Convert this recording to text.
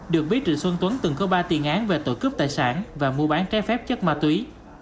được biết trịnh xuân tuấn từng có ba tiền án về tội cướp tài sản và mua bán trái phép chất ma túy